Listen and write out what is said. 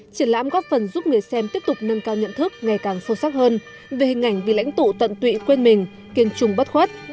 triển lãm góp phần giúp người xem tiếp tục nâng cao nhận thức ngày càng sâu sắc hơn về hình ảnh vì lãnh tụ tận tụy quên mình kiên trùng bất khuất